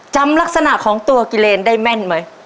จำลักษณะของตัวกิเลนได้แม่นไหม